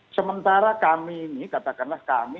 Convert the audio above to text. sementara kami ini katakanlah kami